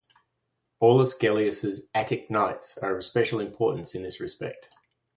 Aulus Gellius's "Attic Nights" are of special importance in this respect.